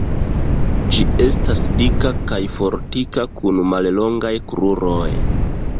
Ĝi estas dika kaj fortika kun mallongaj kruroj.